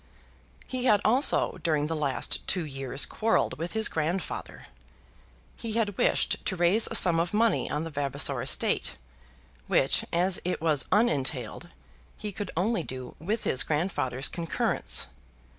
He had also during the last two years quarrelled with his grandfather. He had wished to raise a sum of money on the Vavasor estate, which, as it was unentailed, he could only do with his grandfather's concurrence.